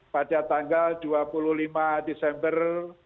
pada tanggal dua puluh lima desember dua ribu dua puluh